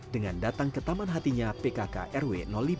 dengan datang ke taman hatinya pkk rw lima